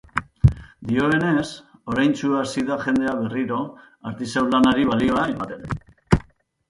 Dioenez, oraintsu hasi da jendea berriro artisau lanari balioa ematen.